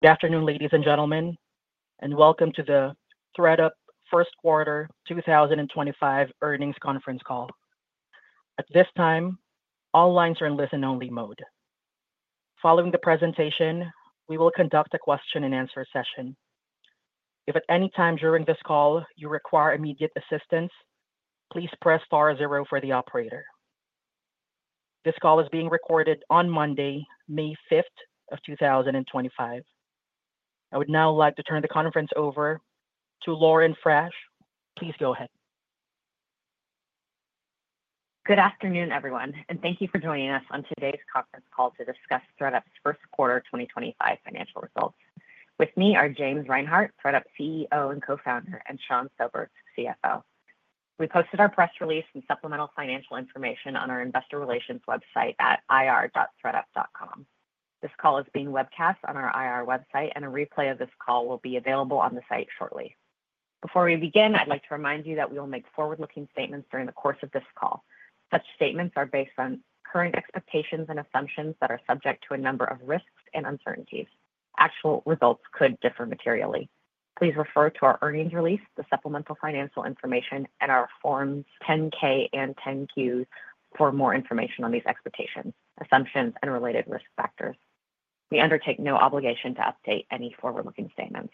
Good afternoon, ladies and gentlemen, and Welcome to the ThredUp First Quarter 2025 Earnings Conference Call. At this time, all lines are in listen-only mode. Following the presentation, we will conduct a question-and-answer session. If at any time during this call you require immediate assistance, please press star zero for the operator. This call is being recorded on Monday, May 5 of 2025. I would now like to turn the conference over to Lauren Frasch. Please go ahead. Good afternoon, everyone, and thank you for joining us on today's conference call to discuss ThredUp's first quarter 2025 financial results. With me are James Reinhart, ThredUp CEO and co-founder, and Sean Sobers, CFO. We posted our press release and supplemental financial information on our investor relations website at ir.thredup.com. This call is being webcast on our IR website, and a replay of this call will be available on the site shortly. Before we begin, I'd like to remind you that we will make forward-looking statements during the course of this call. Such statements are based on current expectations and assumptions that are subject to a number of risks and uncertainties. Actual results could differ materially. Please refer to our earnings release, the supplemental financial information, and our Forms 10-K and 10-Q for more information on these expectations, assumptions, and related risk factors. We undertake no obligation to update any forward-looking statements.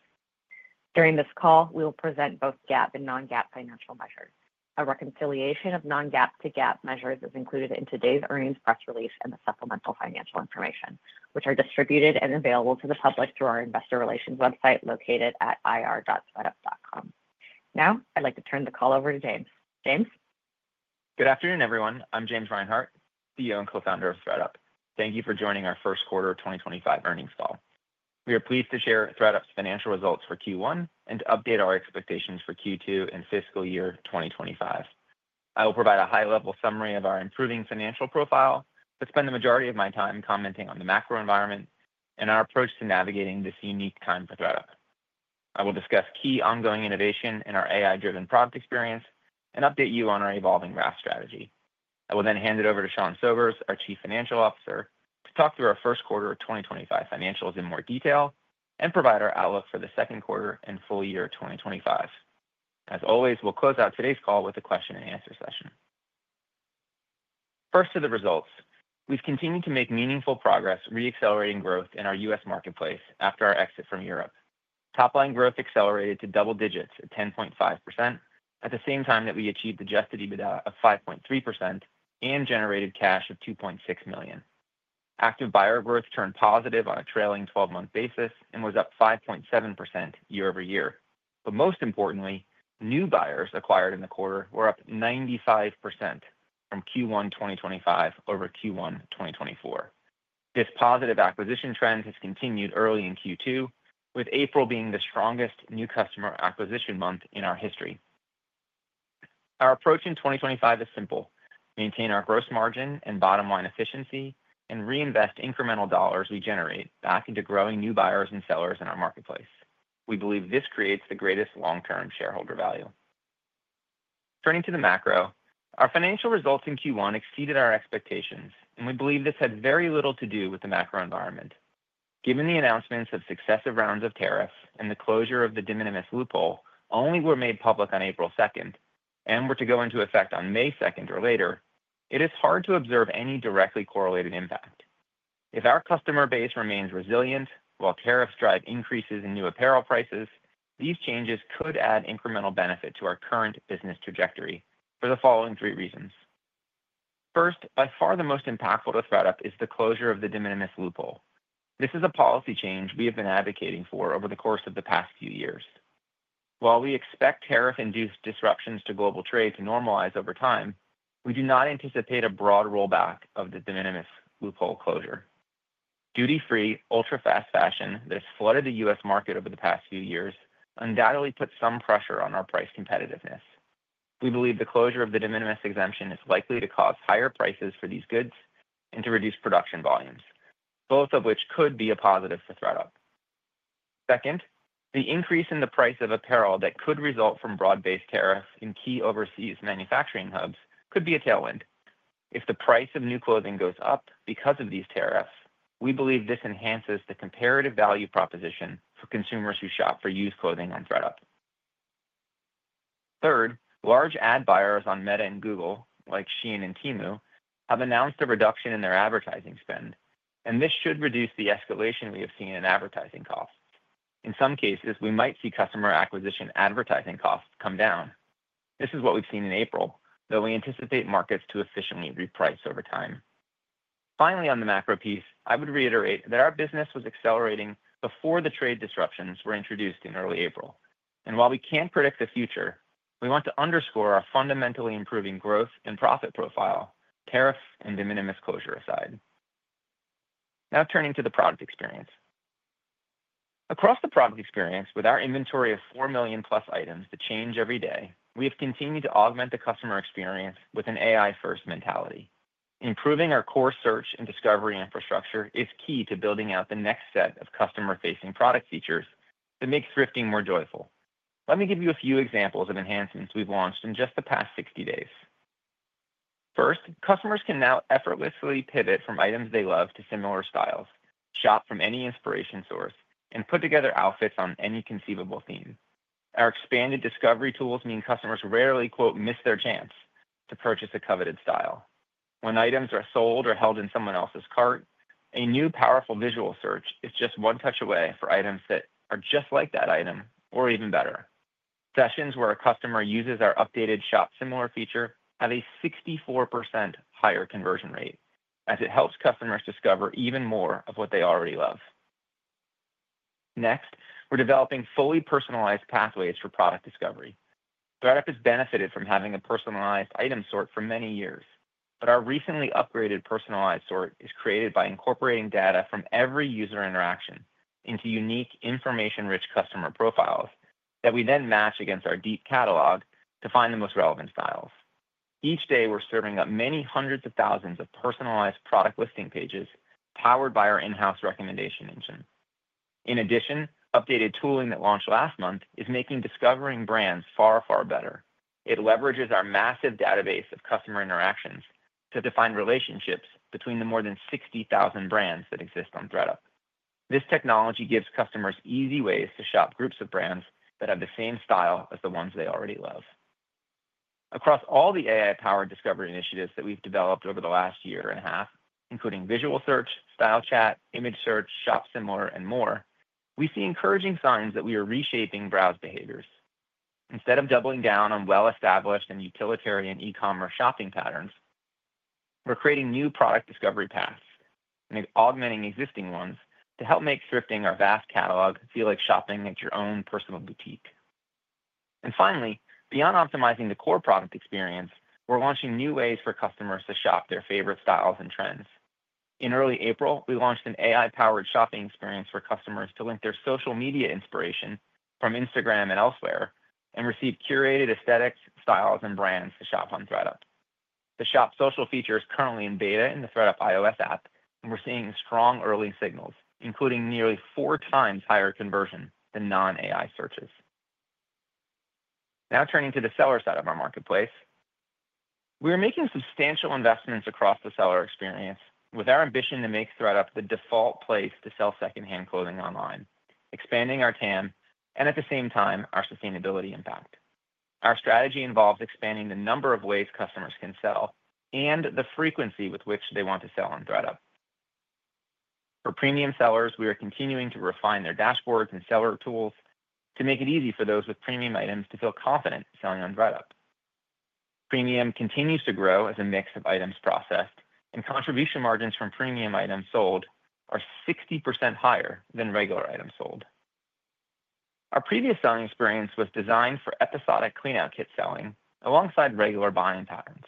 During this call, we will present both GAAP and non-GAAP financial measures. A reconciliation of non-GAAP to GAAP measures is included in today's earnings press release and the supplemental financial information, which are distributed and available to the public through our investor relations website located at ir.thredup.com. Now, I'd like to turn the call over to James. James. Good afternoon, everyone. I'm James Reinhart, CEO and co-founder of ThredUp. Thank you for joining our First Quarter 2025 earnings call. We are pleased to share ThredUp's financial results for Q1 and to update our expectations for Q2 and fiscal year 2025. I will provide a high-level summary of our improving financial profile, but spend the majority of my time commenting on the macro environment and our approach to navigating this unique time for ThredUp. I will discuss key ongoing innovation in our AI-driven product experience and update you on our evolving RaaS strategy. I will then hand it over to Sean Sobers, our Chief Financial Officer, to talk through our First Quarter 2025 financials in more detail and provide our outlook for the second quarter and full year 2025. As always, we'll close out today's call with a question-and-answer session. First, to the results. We've continued to make meaningful progress, re-accelerating growth in our U.S. marketplace after our exit from Europe. Top-line growth accelerated to double digits at 10.5% at the same time that we achieved the adjusted EBITDA of 5.3% and generated cash of $2.6 million. Active buyer growth turned positive on a trailing 12-month basis and was up 5.7% year over year. Most importantly, new buyers acquired in the quarter were up 95% from Q1 2024 over Q1 2023. This positive acquisition trend has continued early in Q2, with April being the strongest new customer acquisition month in our history. Our approach in 2024 is simple: maintain our gross margin and bottom line efficiency, and reinvest incremental dollars we generate back into growing new buyers and sellers in our marketplace. We believe this creates the greatest long-term shareholder value. Turning to the macro, our financial results in Q1 exceeded our expectations, and we believe this had very little to do with the macro environment. Given the announcements of successive rounds of tariffs and the closure of the de minimis loophole, only were made public on April 2 and were to go into effect on May 2 or later, it is hard to observe any directly correlated impact. If our customer base remains resilient while tariffs drive increases in new apparel prices, these changes could add incremental benefit to our current business trajectory for the following three reasons. First, by far the most impactful to ThredUp is the closure of the de minimis loophole. This is a policy change we have been advocating for over the course of the past few years. While we expect tariff-induced disruptions to global trade to normalize over time, we do not anticipate a broad rollback of the de minimis loophole closure. Duty-free ultra-fast fashion that has flooded the U.S. market over the past few years undoubtedly puts some pressure on our price competitiveness. We believe the closure of the de minimis exemption is likely to cause higher prices for these goods and to reduce production volumes, both of which could be a positive for ThredUp. Second, the increase in the price of apparel that could result from broad-based tariffs in key overseas manufacturing hubs could be a tailwind. If the price of new clothing goes up because of these tariffs, we believe this enhances the comparative value proposition for consumers who shop for used clothing on ThredUp. Third, large ad buyers on Meta and Google, like Shein and Temu, have announced a reduction in their advertising spend, and this should reduce the escalation we have seen in advertising costs. In some cases, we might see customer acquisition advertising costs come down. This is what we've seen in April, though we anticipate markets to efficiently reprice over time. Finally, on the macro piece, I would reiterate that our business was accelerating before the trade disruptions were introduced in early April. While we can't predict the future, we want to underscore our fundamentally improving growth and profit profile, tariffs and de minimis closure aside. Now, turning to the product experience. Across the product experience, with our inventory of 4 million-plus items that change every day, we have continued to augment the customer experience with an AI-first mentality. Improving our core search and discovery infrastructure is key to building out the next set of customer-facing product features that make thrifting more joyful. Let me give you a few examples of enhancements we've launched in just the past 60 days. First, customers can now effortlessly pivot from items they love to similar styles, shop from any inspiration source, and put together outfits on any conceivable theme. Our expanded discovery tools mean customers rarely "miss their chance" to purchase a coveted style. When items are sold or held in someone else's cart, a new powerful visual search is just one touch away for items that are just like that item or even better. Sessions where a customer uses our updated Shop Similar feature have a 64% higher conversion rate, as it helps customers discover even more of what they already love. Next, we're developing fully personalized pathways for product discovery. ThredUp has benefited from having a personalized item sort for many years, but our recently upgraded personalized sort is created by incorporating data from every user interaction into unique, information-rich customer profiles that we then match against our deep catalog to find the most relevant styles. Each day, we're serving up many hundreds of thousands of personalized product listing pages powered by our in-house recommendation engine. In addition, updated tooling that launched last month is making discovering brands far, far better. It leverages our massive database of customer interactions to define relationships between the more than 60,000 brands that exist on ThredUp. This technology gives customers easy ways to shop groups of brands that have the same style as the ones they already love. Across all the AI-powered discovery initiatives that we've developed over the last year and a half, including visual search, Style Chat, image search, shop-similar, and more, we see encouraging signs that we are reshaping browse behaviors. Instead of doubling down on well-established and utilitarian e-commerce shopping patterns, we're creating new product discovery paths and augmenting existing ones to help make thrifting our vast catalog feel like shopping at your own personal boutique. Finally, beyond optimizing the core product experience, we're launching new ways for customers to shop their favorite styles and trends. In early April, we launched an AI-powered shopping experience for customers to link their social media inspiration from Instagram and elsewhere and receive curated aesthetics, styles, and brands to shop on ThredUp. The Shop Social feature is currently in beta in the ThredUp iOS app, and we're seeing strong early signals, including nearly four times higher conversion than non-AI searches. Now, turning to the seller side of our marketplace, we are making substantial investments across the seller experience with our ambition to make ThredUp the default place to sell secondhand clothing online, expanding our TAM and, at the same time, our sustainability impact. Our strategy involves expanding the number of ways customers can sell and the frequency with which they want to sell on ThredUp. For premium sellers, we are continuing to refine their dashboards and seller tools to make it easy for those with premium items to feel confident selling on ThredUp. Premium continues to grow as a mix of items processed, and contribution margins from premium items sold are 60% higher than regular items sold. Our previous selling experience was designed for episodic Clean Out Kit selling alongside regular buying patterns.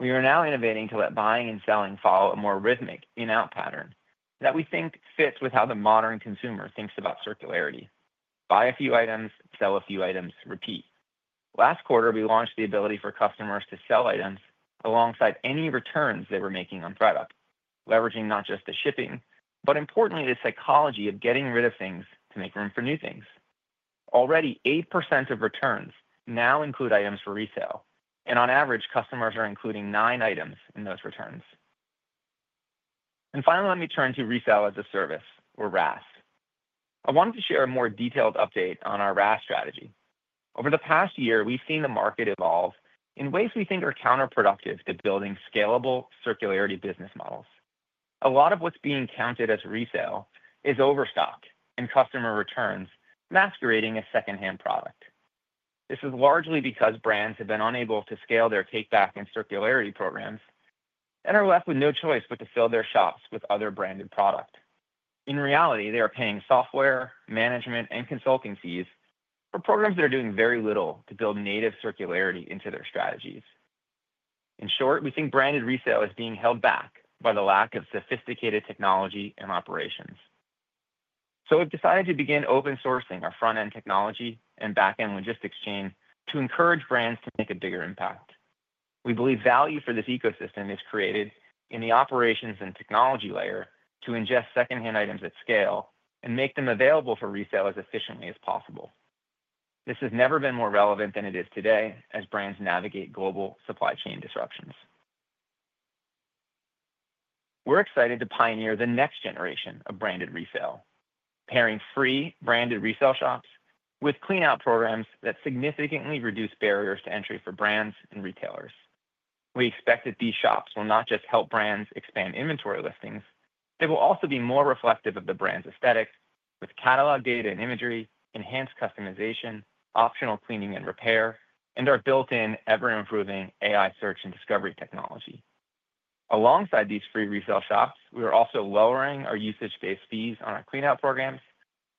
We are now innovating to let buying and selling follow a more rhythmic in-out pattern that we think fits with how the modern consumer thinks about circularity. Buy a few items, sell a few items, repeat. Last quarter, we launched the ability for customers to sell items alongside any returns they were making on ThredUp, leveraging not just the shipping, but importantly, the psychology of getting rid of things to make room for new things. Already, 8% of returns now include items for resale, and on average, customers are including nine items in those returns. Finally, let me turn to resale as a service, or RAS. I wanted to share a more detailed update on our RAS strategy. Over the past year, we've seen the market evolve in ways we think are counterproductive to building scalable circularity business models. A lot of what's being counted as resale is overstocked and customer returns masquerading as secondhand product. This is largely because brands have been unable to scale their take-back and circularity programs and are left with no choice but to fill their shops with other branded product. In reality, they are paying software, management, and consulting fees for programs that are doing very little to build native circularity into their strategies. In short, we think branded resale is being held back by the lack of sophisticated technology and operations. We have decided to begin open-sourcing our front-end technology and back-end logistics chain to encourage brands to make a bigger impact. We believe value for this ecosystem is created in the operations and technology layer to ingest secondhand items at scale and make them available for resale as efficiently as possible. This has never been more relevant than it is today as brands navigate global supply chain disruptions. We are excited to pioneer the next generation of branded resale, pairing free branded resale shops with Clean Out programs that significantly reduce barriers to entry for brands and retailers. We expect that these shops will not just help brands expand inventory listings, they will also be more reflective of the brand's aesthetic, with catalog data and imagery, enhanced customization, optional cleaning and repair, and our built-in, ever-improving AI search and discovery technology. Alongside these free resale shops, we are also lowering our usage-based fees on our clean-out programs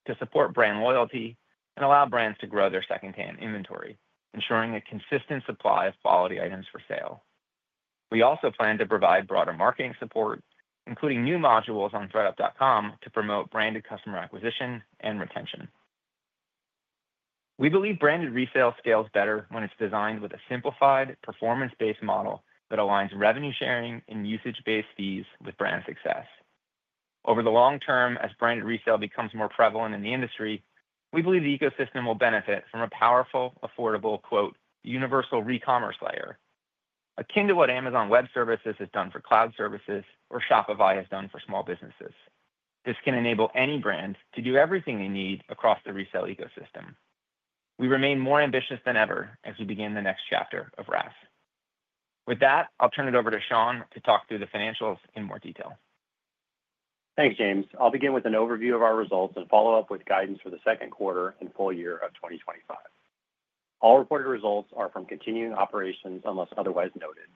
to support brand loyalty and allow brands to grow their secondhand inventory, ensuring a consistent supply of quality items for sale. We also plan to provide broader marketing support, including new modules on thredup.com to promote branded customer acquisition and retention. We believe branded resale scales better when it is designed with a simplified, performance-based model that aligns revenue sharing and usage-based fees with brand success. Over the long term, as branded resale becomes more prevalent in the industry, we believe the ecosystem will benefit from a powerful, affordable "universal re-commerce layer," akin to what Amazon Web Services has done for cloud services or Shopify has done for small businesses. This can enable any brand to do everything they need across the resale ecosystem. We remain more ambitious than ever as we begin the next chapter of RAS. With that, I'll turn it over to Sean to talk through the financials in more detail. Thanks, James. I'll begin with an overview of our results and follow up with guidance for the second quarter and full year of 2025. All reported results are from continuing operations unless otherwise noted.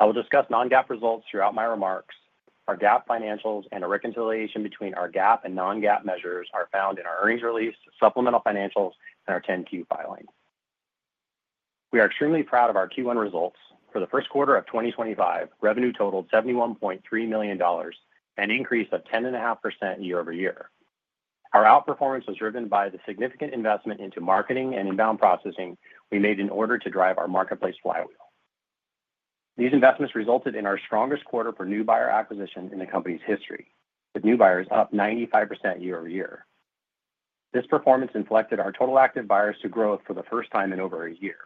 I will discuss non-GAAP results throughout my remarks. Our GAAP financials and a reconciliation between our GAAP and non-GAAP measures are found in our earnings release, supplemental financials, and our 10Q filings. We are extremely proud of our Q1 results. For the first quarter of 2025, revenue totaled $71.3 million and increased 10.5% year over year. Our outperformance was driven by the significant investment into marketing and inbound processing we made in order to drive our marketplace flywheel. These investments resulted in our strongest quarter for new buyer acquisition in the company's history, with new buyers up 95% year over year. This performance inflected our total active buyers to growth for the first time in over a year.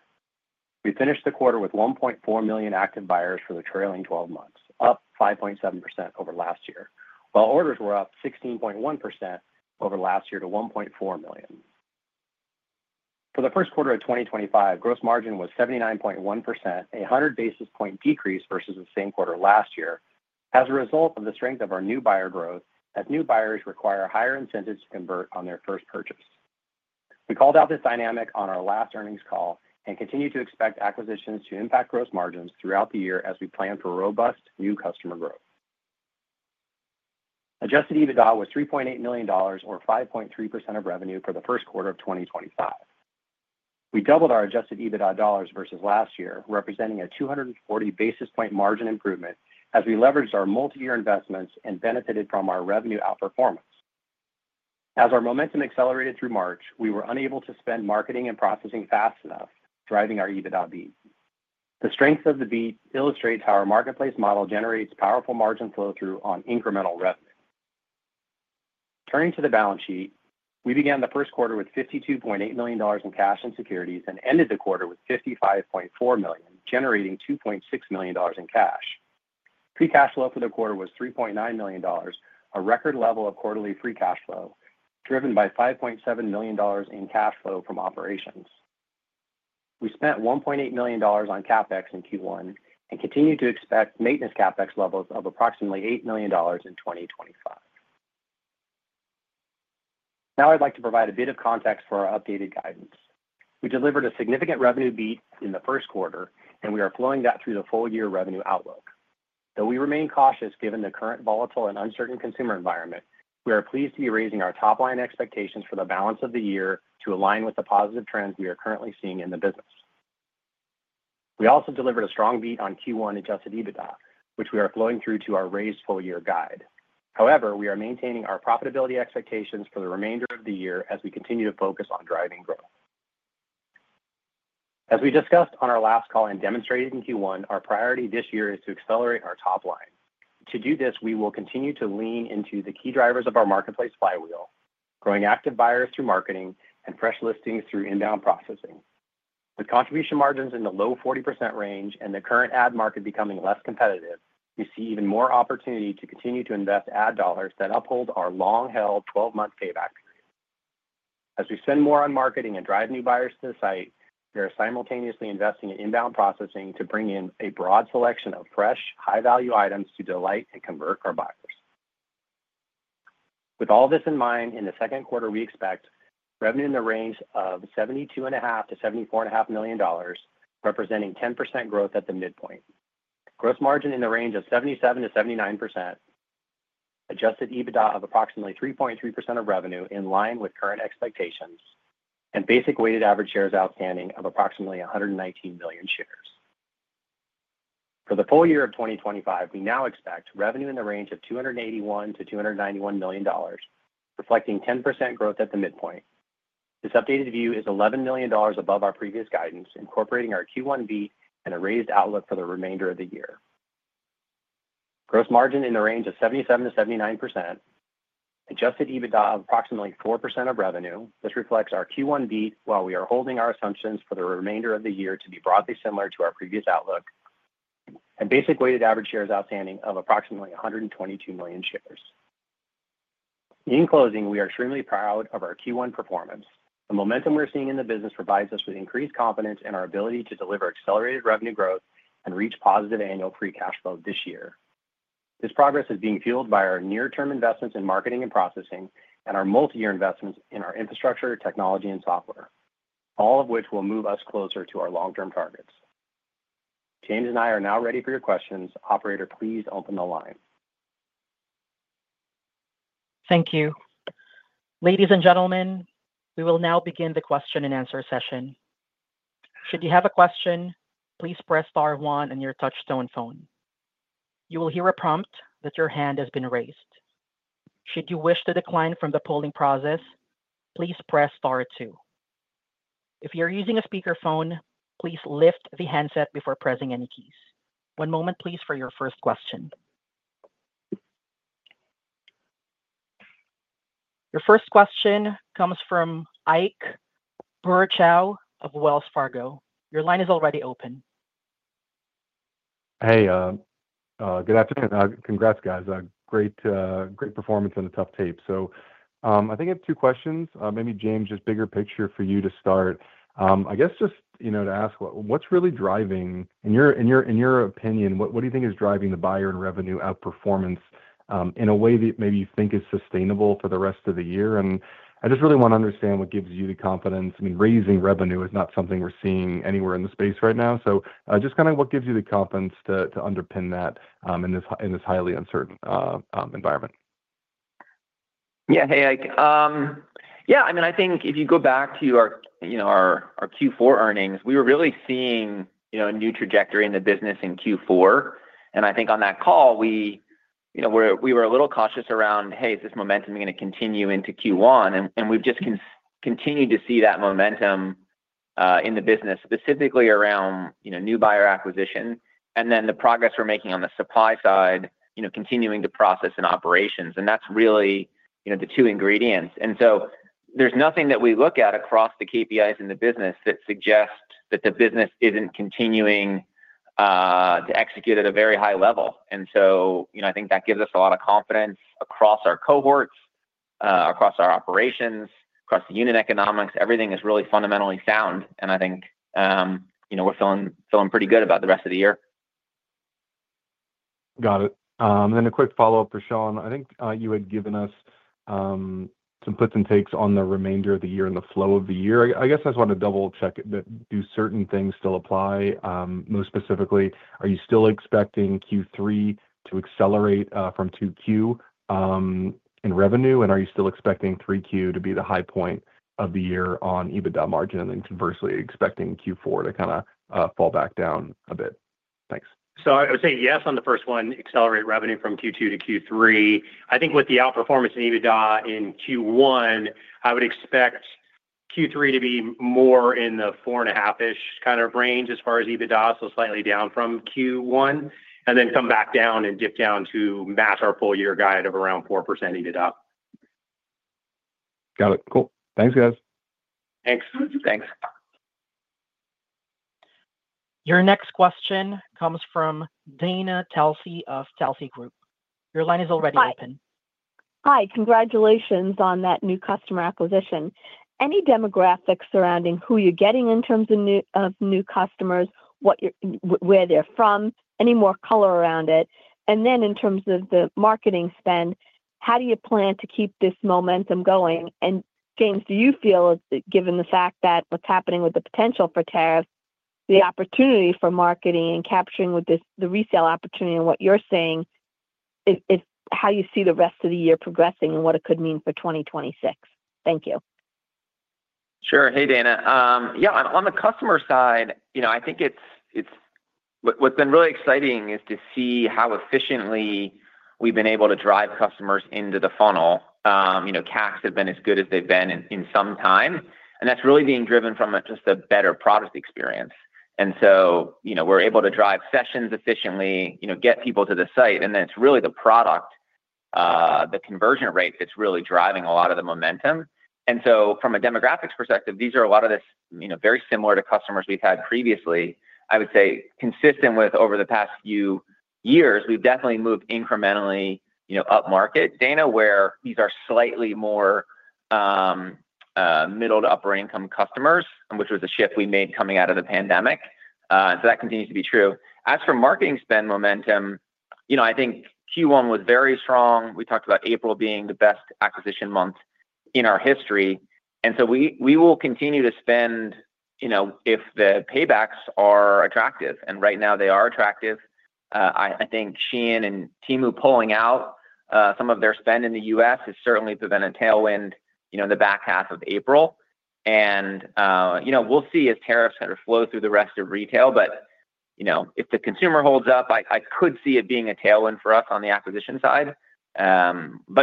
We finished the quarter with 1.4 million active buyers for the trailing 12 months, up 5.7% over last year, while orders were up 16.1% over last year to 1.4 million. For the first quarter of 2025, gross margin was 79.1%, a 100 basis point decrease versus the same quarter last year, as a result of the strength of our new buyer growth as new buyers require a higher incentive to convert on their first purchase. We called out this dynamic on our last earnings call and continue to expect acquisitions to impact gross margins throughout the year as we plan for robust new customer growth. Adjusted EBITDA was $3.8 million, or 5.3% of revenue for the first quarter of 2025. We doubled our adjusted EBITDA dollars versus last year, representing a 240 basis point margin improvement as we leveraged our multi-year investments and benefited from our revenue outperformance. As our momentum accelerated through March, we were unable to spend marketing and processing fast enough, driving our EBITDA beat. The strength of the beat illustrates how our marketplace model generates powerful margin flow-through on incremental revenue. Turning to the balance sheet, we began the first quarter with $52.8 million in cash and securities and ended the quarter with $55.4 million, generating $2.6 million in cash. Free cash flow for the quarter was $3.9 million, a record level of quarterly free cash flow, driven by $5.7 million in cash flow from operations. We spent $1.8 million on CapEx in Q1 and continue to expect maintenance CapEx levels of approximately $8 million in 2025. Now, I'd like to provide a bit of context for our updated guidance. We delivered a significant revenue beat in the first quarter, and we are flowing that through the full-year revenue outlook. Though we remain cautious given the current volatile and uncertain consumer environment, we are pleased to be raising our top-line expectations for the balance of the year to align with the positive trends we are currently seeing in the business. We also delivered a strong beat on Q1 adjusted EBITDA, which we are flowing through to our raised full-year guide. However, we are maintaining our profitability expectations for the remainder of the year as we continue to focus on driving growth. As we discussed on our last call and demonstrated in Q1, our priority this year is to accelerate our top line. To do this, we will continue to lean into the key drivers of our marketplace flywheel, growing active buyers through marketing and fresh listings through inbound processing. With contribution margins in the low 40% range and the current ad market becoming less competitive, we see even more opportunity to continue to invest ad dollars that uphold our long-held 12-month payback period. As we spend more on marketing and drive new buyers to the site, we are simultaneously investing in inbound processing to bring in a broad selection of fresh, high-value items to delight and convert our buyers. With all this in mind, in the second quarter, we expect revenue in the range of $72.5-$74.5 million, representing 10% growth at the midpoint. Gross margin in the range of 77%-79%, adjusted EBITDA of approximately 3.3% of revenue in line with current expectations, and basic weighted average shares outstanding of approximately 119 million shares. For the full year of 2025, we now expect revenue in the range of $281-$291 million, reflecting 10% growth at the midpoint. This updated view is $11 million above our previous guidance, incorporating our Q1 beat and a raised outlook for the remainder of the year. Gross margin in the range of 77%-79%, adjusted EBITDA of approximately 4% of revenue. This reflects our Q1 beat while we are holding our assumptions for the remainder of the year to be broadly similar to our previous outlook and basic weighted average shares outstanding of approximately 122 million shares. In closing, we are extremely proud of our Q1 performance. The momentum we're seeing in the business provides us with increased confidence in our ability to deliver accelerated revenue growth and reach positive annual free cash flow this year. This progress is being fueled by our near-term investments in marketing and processing and our multi-year investments in our infrastructure, technology, and software, all of which will move us closer to our long-term targets. James and I are now ready for your questions. Operator, please open the line. Thank you. Ladies and gentlemen, we will now begin the question and answer session. Should you have a question, please press star one on your touch-tone phone. You will hear a prompt that your hand has been raised. Should you wish to decline from the polling process, please press star two. If you're using a speakerphone, please lift the handset before pressing any keys. One moment, please, for your first question. Your first question comes from Ike Boruchow of Wells Fargo. Your line is already open. Hey, good afternoon. Congrats, guys. Great performance on the tough tape. I think I have two questions. Maybe James, just bigger picture for you to start. I guess just to ask, what's really driving, in your opinion, what do you think is driving the buyer and revenue outperformance in a way that maybe you think is sustainable for the rest of the year? I just really want to understand what gives you the confidence. I mean, raising revenue is not something we're seeing anywhere in the space right now. Just kind of what gives you the confidence to underpin that in this highly uncertain environment? Yeah, hey, Ike. Yeah, I mean, I think if you go back to our Q4 earnings, we were really seeing a new trajectory in the business in Q4. I think on that call, we were a little cautious around, hey, is this momentum going to continue into Q1? We have just continued to see that momentum in the business, specifically around new buyer acquisition and then the progress we are making on the supply side, continuing to process and operations. That is really the two ingredients. There is nothing that we look at across the KPIs in the business that suggests that the business is not continuing to execute at a very high level. I think that gives us a lot of confidence across our cohorts, across our operations, across the unit economics. Everything is really fundamentally sound. I think we are feeling pretty good about the rest of the year. Got it. A quick follow-up for Sean. I think you had given us some puts and takes on the remainder of the year and the flow of the year. I guess I just want to double-check that do certain things still apply? Most specifically, are you still expecting Q3 to accelerate from 2Q in revenue, and are you still expecting 3Q to be the high point of the year on EBITDA margin, and conversely, expecting Q4 to kind of fall back down a bit? Thanks. I would say yes on the first one, accelerate revenue from Q2 to Q3. I think with the outperformance in EBITDA in Q1, I would expect Q3 to be more in the 4.5%-ish kind of range as far as EBITDA, so slightly down from Q1, and then come back down and dip down to match our full-year guide of around 4% EBITDA. Got it. Cool. Thanks, guys. Thanks. Thanks. Your next question comes from Dana Telsey of Telsey Group. Your line is already open. Hi. Congratulations on that new customer acquisition. Any demographics surrounding who you're getting in terms of new customers, where they're from, any more color around it? In terms of the marketing spend, how do you plan to keep this momentum going? James, do you feel, given the fact that what's happening with the potential for tariffs, the opportunity for marketing and capturing with the resale opportunity and what you're saying, is how you see the rest of the year progressing and what it could mean for 2026? Thank you. Sure. Hey, Dana. Yeah, on the customer side, I think what's been really exciting is to see how efficiently we've been able to drive customers into the funnel. CACs have been as good as they've been in some time. That's really being driven from just a better product experience. We're able to drive sessions efficiently, get people to the site, and then it's really the product, the conversion rate that's really driving a lot of the momentum. From a demographics perspective, these are a lot of this very similar to customers we've had previously. I would say consistent with over the past few years, we've definitely moved incrementally up market, Dana, where these are slightly more middle to upper-income customers, which was a shift we made coming out of the pandemic. That continues to be true. As for marketing spend momentum, I think Q1 was very strong. We talked about April being the best acquisition month in our history. We will continue to spend if the paybacks are attractive. Right now, they are attractive. I think Shein and Temu pulling out some of their spend in the U.S. has certainly been a tailwind in the back half of April. We will see as tariffs kind of flow through the rest of retail. If the consumer holds up, I could see it being a tailwind for us on the acquisition side. We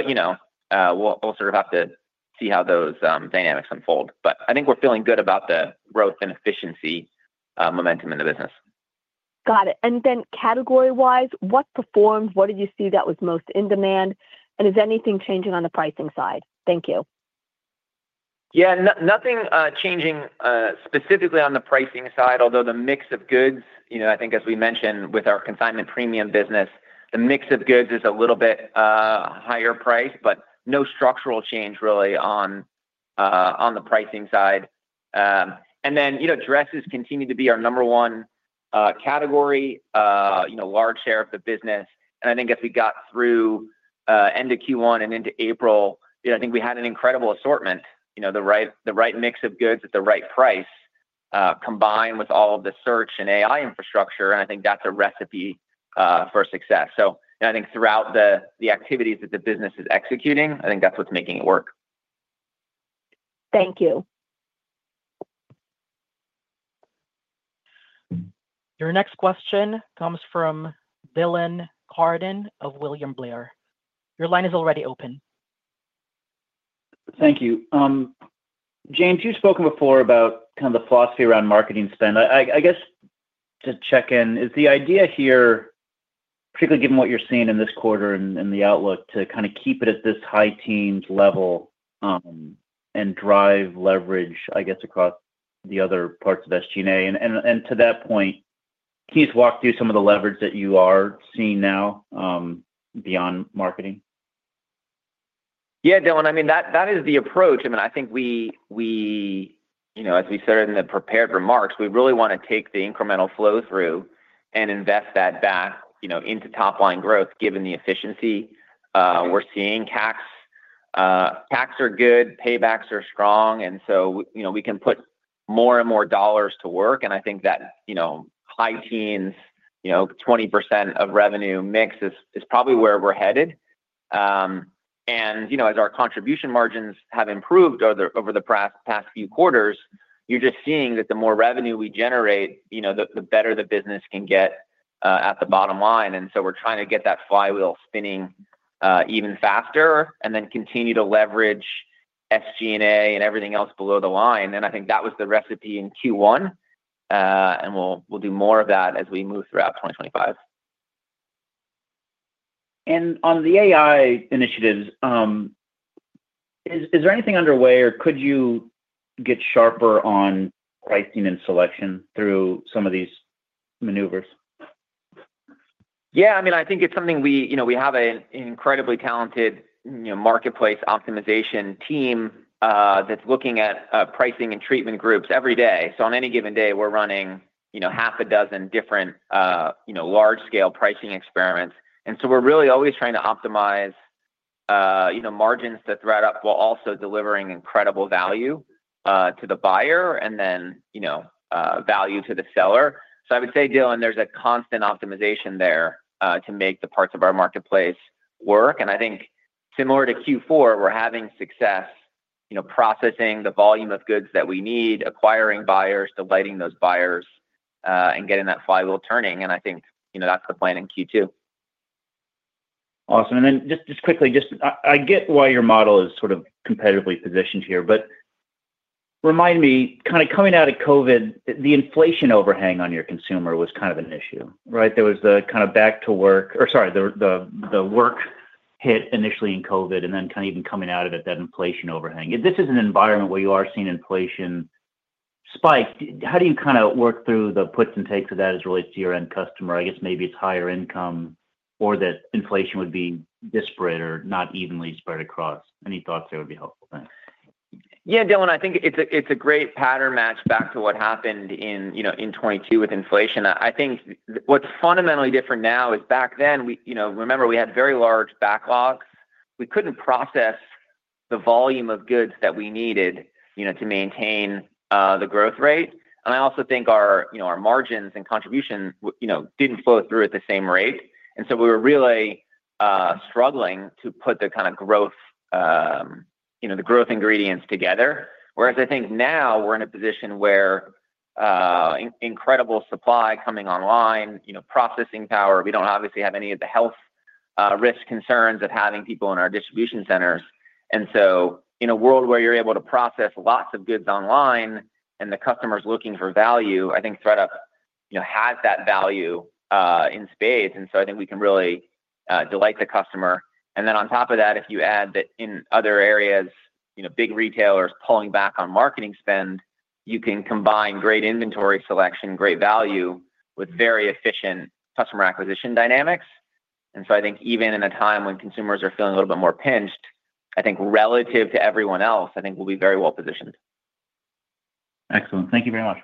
will sort of have to see how those dynamics unfold. I think we're feeling good about the growth and efficiency momentum in the business. Got it. Category-wise, what performed? What did you see that was most in demand? Is anything changing on the pricing side? Thank you. Yeah, nothing changing specifically on the pricing side, although the mix of goods, I think, as we mentioned with our consignment premium business, the mix of goods is a little bit higher priced, but no structural change really on the pricing side. Dresses continue to be our number one category, large share of the business. I think as we got through end of Q1 and into April, I think we had an incredible assortment, the right mix of goods at the right price, combined with all of the search and AI infrastructure. I think that's a recipe for success. I think throughout the activities that the business is executing, I think that's what's making it work. Thank you. Your next question comes from Dylan Carden of William Blair. Your line is already open. Thank you. James, you've spoken before about kind of the philosophy around marketing spend. I guess to check in, is the idea here, particularly given what you're seeing in this quarter and the outlook, to kind of keep it at this high teens level and drive leverage, I guess, across the other parts of SG&A? To that point, can you just walk through some of the leverage that you are seeing now beyond marketing? Yeah, Dylan, I mean, that is the approach. I mean, I think as we said in the prepared remarks, we really want to take the incremental flow through and invest that back into top-line growth, given the efficiency we're seeing. CACs are good. Paybacks are strong. We can put more and more dollars to work. I think that high teens, 20% of revenue mix is probably where we're headed. As our contribution margins have improved over the past few quarters, you're just seeing that the more revenue we generate, the better the business can get at the bottom line. We're trying to get that flywheel spinning even faster and then continue to leverage SG&A and everything else below the line. I think that was the recipe in Q1. We'll do more of that as we move throughout 2025. On the AI initiatives, is there anything underway, or could you get sharper on pricing and selection through some of these maneuvers? Yeah, I mean, I think it's something we have an incredibly talented marketplace optimization team that's looking at pricing and treatment groups every day. On any given day, we're running half a dozen different large-scale pricing experiments. We're really always trying to optimize margins at ThredUp while also delivering incredible value to the buyer and then value to the seller. I would say, Dylan, there's a constant optimization there to make the parts of our marketplace work. I think similar to Q4, we're having success processing the volume of goods that we need, acquiring buyers, delighting those buyers, and getting that flywheel turning. I think that's the plan in Q2. Awesome. Just quickly, I get why your model is sort of competitively positioned here, but remind me, kind of coming out of COVID, the inflation overhang on your consumer was kind of an issue, right? There was the kind of back to work or sorry, the work hit initially in COVID and then kind of even coming out of it, that inflation overhang. This is an environment where you are seeing inflation spike. How do you kind of work through the puts and takes of that as relates to your end customer? I guess maybe it is higher income or that inflation would be disparate or not evenly spread across. Any thoughts there would be helpful? Yeah, Dylan, I think it is a great pattern match back to what happened in 2022 with inflation. I think what is fundamentally different now is back then, remember, we had very large backlogs. We couldn't process the volume of goods that we needed to maintain the growth rate. I also think our margins and contribution didn't flow through at the same rate. We were really struggling to put the kind of growth, the growth ingredients together. I think now we're in a position where incredible supply coming online, processing power. We don't obviously have any of the health risk concerns of having people in our distribution centers. In a world where you're able to process lots of goods online and the customer is looking for value, I think ThredUp has that value in spades. I think we can really delight the customer. If you add that in other areas, big retailers pulling back on marketing spend, you can combine great inventory selection, great value with very efficient customer acquisition dynamics. I think even in a time when consumers are feeling a little bit more pinched, I think relative to everyone else, I think we'll be very well positioned. Excellent. Thank you very much.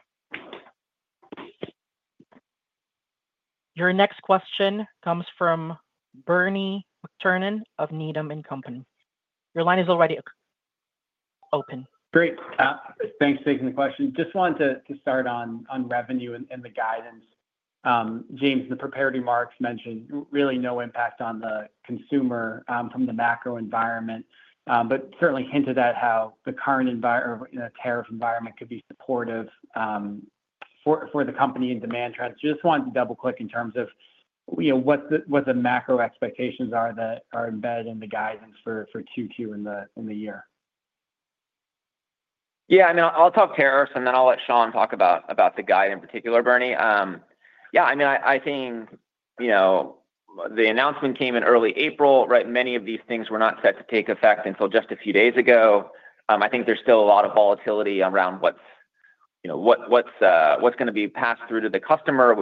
Your next question comes from Bernie McTernan of Needham & Company. Your line is already open. Great. Thanks for taking the question. Just wanted to start on revenue and the guidance. James, the prepared remarks mentioned really no impact on the consumer from the macro environment, but certainly hinted at how the current tariff environment could be supportive for the company and demand trends. Just wanted to double-click in terms of what the macro expectations are that are embedded in the guidance for Q2 in the year. Yeah, I mean, I'll talk tariffs, and then I'll let Sean talk about the guide in particular, Bernie. Yeah, I mean, I think the announcement came in early April, right? Many of these things were not set to take effect until just a few days ago. I think there's still a lot of volatility around what's going to be passed through to the customer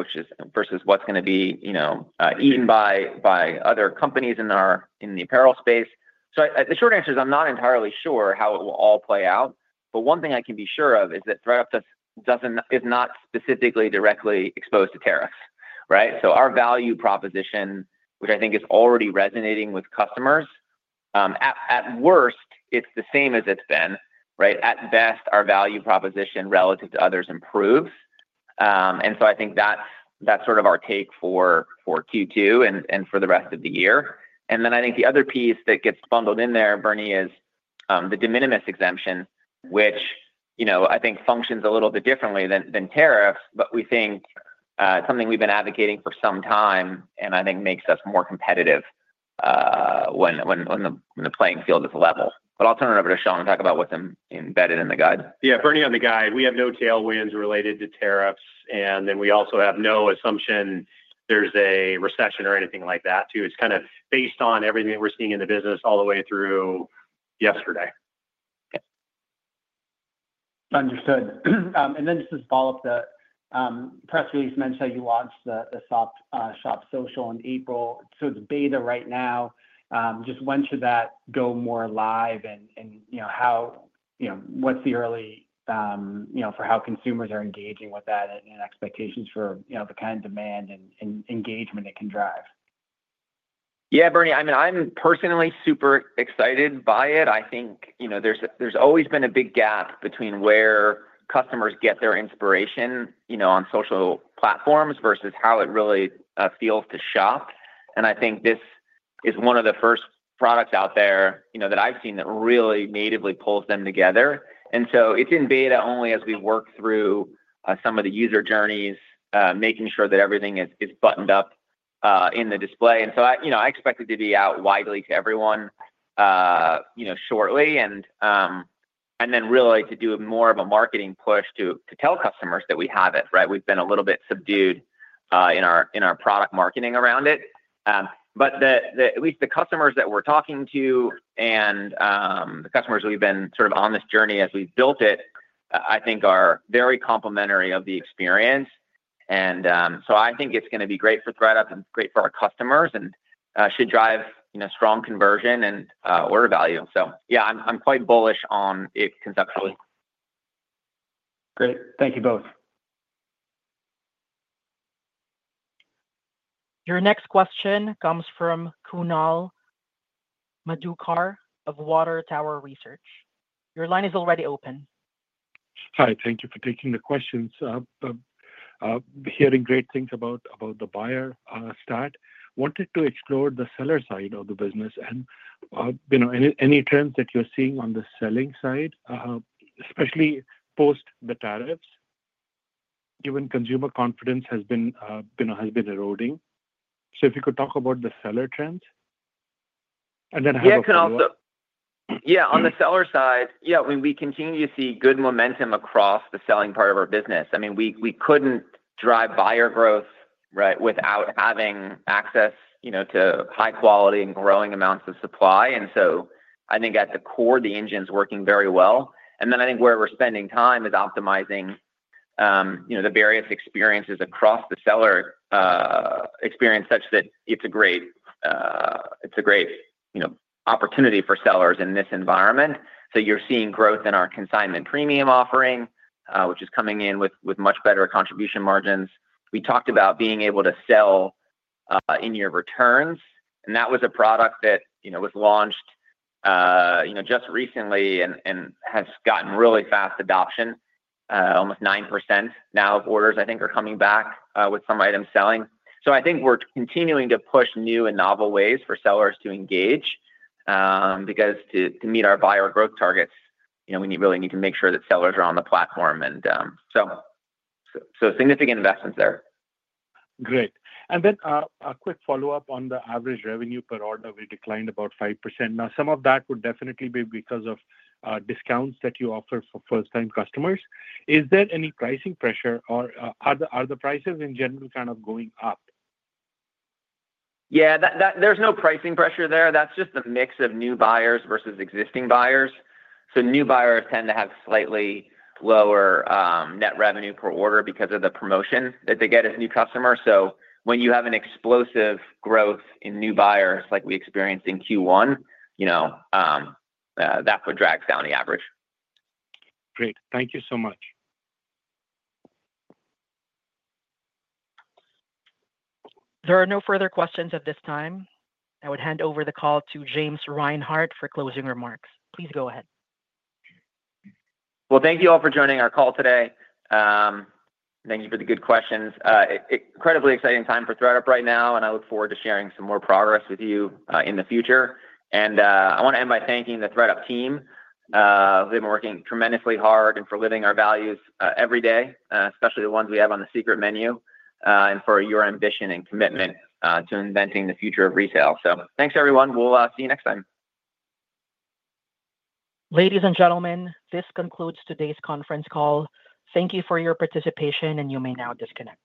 versus what's going to be eaten by other companies in the apparel space. The short answer is I'm not entirely sure how it will all play out. One thing I can be sure of is that ThredUp is not specifically directly exposed to tariffs, right? Our value proposition, which I think is already resonating with customers, at worst, it's the same as it's been, right? At best, our value proposition relative to others improves. I think that's sort of our take for Q2 and for the rest of the year. I think the other piece that gets bundled in there, Bernie, is the de minimis exemption, which I think functions a little bit differently than tariffs, but we think it's something we've been advocating for some time, and I think makes us more competitive when the playing field is level. I'll turn it over to Sean and talk about what's embedded in the guide. Yeah, Bernie, on the guide. We have no tailwinds related to tariffs. We also have no assumption there's a recession or anything like that too. It's kind of based on everything that we're seeing in the business all the way through yesterday. Understood. Just to follow up, the press release mentioned that you launched the Shop Social in April. It is beta right now. Just when should that go more live and what's the early for how consumers are engaging with that and expectations for the kind of demand and engagement it can drive? Yeah, Bernie, I mean, I'm personally super excited by it. I think there's always been a big gap between where customers get their inspiration on social platforms versus how it really feels to shop. I think this is one of the first products out there that I've seen that really natively pulls them together. It is in beta only as we work through some of the user journeys, making sure that everything is buttoned up in the display. I expect it to be out widely to everyone shortly and then really to do more of a marketing push to tell customers that we have it, right? We have been a little bit subdued in our product marketing around it. At least the customers that we are talking to and the customers who have been sort of on this journey as we have built it, I think are very complementary of the experience. I think it is going to be great for ThredUp and great for our customers and should drive strong conversion and order value. Yeah, I am quite bullish on it conceptually. Great. Thank you both. Your next question comes from Kunal Madhukar of Water Tower Research. Your line is already open. Hi. Thank you for taking the questions. Hearing great things about the buyer start. Wanted to explore the seller side of the business and any trends that you're seeing on the selling side, especially post the tariffs. Even consumer confidence has been eroding. If you could talk about the seller trends. How about the seller? Yeah, on the seller side, yeah, I mean, we continue to see good momentum across the selling part of our business. I mean, we couldn't drive buyer growth, right, without having access to high-quality and growing amounts of supply. I think at the core, the engine's working very well. I think where we're spending time is optimizing the various experiences across the seller experience such that it's a great opportunity for sellers in this environment. You're seeing growth in our consignment premium offering, which is coming in with much better contribution margins. We talked about being able to sell in your returns. That was a product that was launched just recently and has gotten really fast adoption, almost 9% now of orders, I think, are coming back with some items selling. I think we're continuing to push new and novel ways for sellers to engage because to meet our buyer growth targets, we really need to make sure that sellers are on the platform. Significant investments there. Great. A quick follow-up on the average revenue per order that declined about 5%. Some of that would definitely be because of discounts that you offer for first-time customers. Is there any pricing pressure, or are the prices in general kind of going up? Yeah, there's no pricing pressure there. That's just the mix of new buyers versus existing buyers. New buyers tend to have slightly lower net revenue per order because of the promotion that they get as new customers. When you have an explosive growth in new buyers like we experienced in Q1, that's what drags down the average. Great. Thank you so much. There are no further questions at this time. I would hand over the call to James Reinhart for closing remarks. Please go ahead. Thank you all for joining our call today. Thank you for the good questions. Incredibly exciting time for ThredUp right now, and I look forward to sharing some more progress with you in the future. I want to end by thanking the ThredUp team. They've been working tremendously hard and for living our values every day, especially the ones we have on the secret menu and for your ambition and commitment to inventing the future of retail. Thanks, everyone. We'll see you next time. Ladies and gentlemen, this concludes today's conference call. Thank you for your participation, and you may now disconnect.